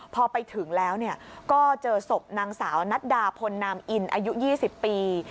พอไปถึงแล้วก็เจอศพนางสาวนัดดาพลนามอินอายุ๒๐ปี